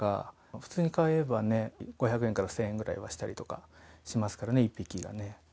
普通に買えばね、５００円から１０００円ぐらいはしたりとかしますからね、１匹で。